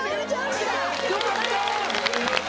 よかった！